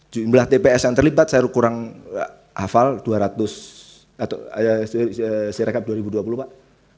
jumlah tps yang terlibat saya kurang hafal dua ratus atau sirekap dua ribu dua puluh pak